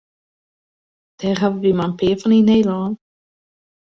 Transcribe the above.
Dêr hawwe wy mar in pear fan yn Nederlân.